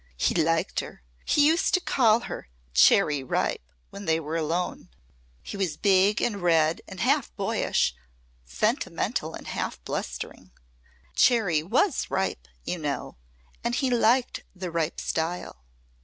He liked her. He used to call her 'Cherry Ripe' when they were alone. He was big and red and half boyish sentimental and half blustering. Cherry was ripe, you know, and he liked the ripe style.